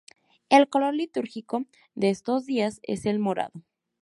El color litúrgico de estos días es el morado.